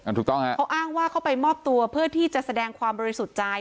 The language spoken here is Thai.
ถูกต้องฮะเขาอ้างว่าเขาไปมอบตัวเพื่อที่จะแสดงความบริสุทธิ์ใจ